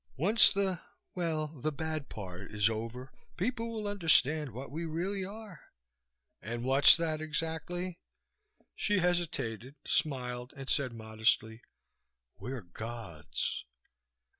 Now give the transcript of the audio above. Once the well, the bad part is over, people will understand what we really are." "And what's that, exactly?" She hesitated, smiled and said modestly, "We're gods."